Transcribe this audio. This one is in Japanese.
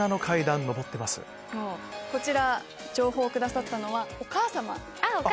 こちら情報をくださったのはお母様。